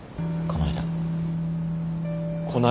この間？